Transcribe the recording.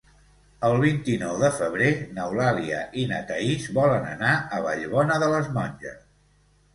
El vint-i-nou de febrer n'Eulàlia i na Thaís volen anar a Vallbona de les Monges.